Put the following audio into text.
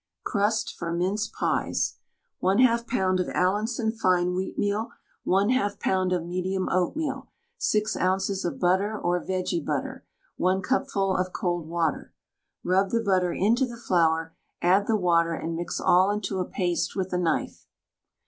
CRUST FOR MINCE PIES. 1/2 lb. of Allinson fine wheatmeal, 1/2 lb. of medium oatmeal, 6 oz. of butter or vege butter, 1 cupful of cold water. Rub the butter into the flour, add the water, and mix all into a paste with a knife.